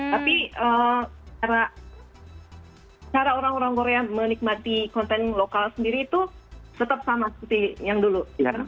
tapi cara orang orang korea menikmati konten lokal sendiri itu tetap sama seperti yang dulu